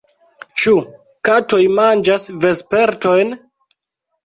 Ĉu katoj manĝas vespertojn?